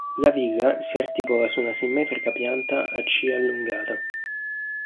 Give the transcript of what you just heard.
La villa si articola su una simmetrica pianta a C allungata.